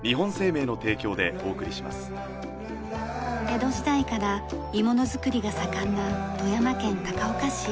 江戸時代から鋳物づくりが盛んな富山県高岡市。